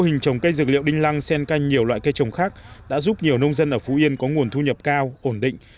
mô hình trồng cây dược liệu đinh lăng sen canh nhiều loại cây trồng khác đã giúp nhiều nông dân ở phú yên có nguồn thu nhập cao ổn định